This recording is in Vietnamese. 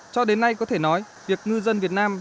cho đến nay có thể nói việc ngư dân việt nam